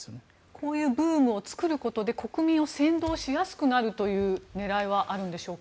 こういうブームを作ることで国民を先導しやすくなるという面はあるのでしょうか。